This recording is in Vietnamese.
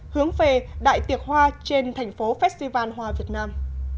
hướng về đại tiệc hoa trên thành phố festival hoa việt nam